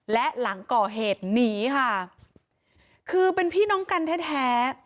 และหลังก่อเหตุหนีค่ะคือเป็นพี่น้องกันแท้แท้